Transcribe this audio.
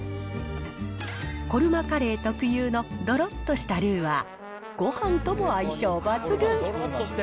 コルマカレー特有のどろっとしたルーは、ごはんとも相性抜群。